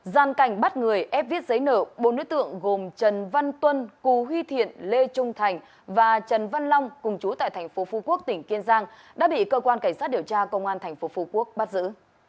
gian cảnh bắt người ép viết giấy nở bốn nữ tượng gồm trần văn tuân cù huy thiện lê trung thành và trần văn long cùng chú tại tp phu quốc tỉnh kiên giang đã bị cơ quan cảnh sát điều tra công an tp phu quốc bắt giữ